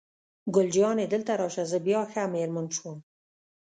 ګل جانې: دلته راشه، زه بیا ښه مېرمن شوم.